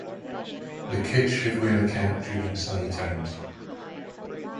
The kids should wear a cap during sunny times.